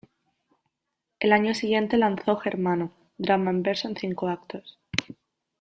El año siguiente lanzó "Germano", drama en verso en cinco actos.